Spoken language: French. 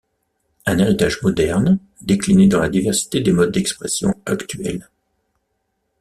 Un héritage moderne, décliné dans la diversité des modes d’expression actuels.